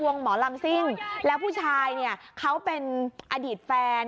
ทวงหมอรัมซิ่งแล้วผู้ชายเขาเป็นอดีตแฟน